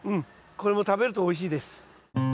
これも食べるとおいしいです。